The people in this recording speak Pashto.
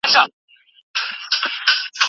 صنعتي کاروبار څنګه د کارکوونکو روزنه کوي؟